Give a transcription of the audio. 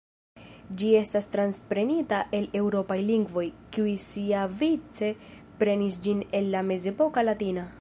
Ĝi estas transprenita el eŭropaj lingvoj, kiuj siavice prenis ĝin el la mezepoka latina.